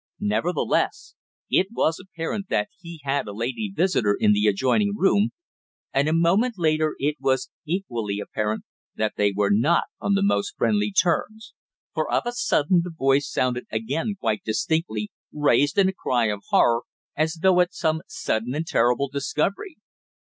Nevertheless it was apparent that he had a lady visitor in the adjoining room, and a moment later it was equally apparent that they were not on the most friendly terms; for, of a sudden, the voice sounded again quite distinctly raised in a cry of horror, as though at some sudden and terrible discovery.